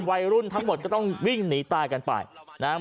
วัยรุ่นทั้งหมดก็ต้องวิ่งหนีตายกันไปนะครับ